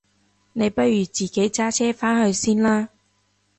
你不如自己揸車返去先啦？